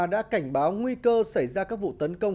đã cảnh báo nguy cơ xảy ra các vụ tấn công